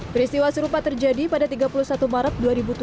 peristiwa serupa terjadi pada tiga puluh satu maret dua ribu tujuh belas